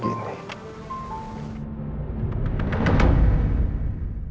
aku akan merasakan